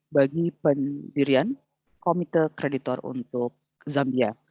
bagi pendirian komite kreditor untuk zambia